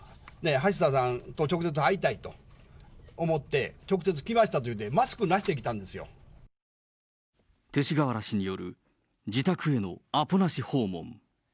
橋田さんと直接会いたいと思って、直接来ましたって言うて、勅使河原氏による自宅へのアポなし訪問。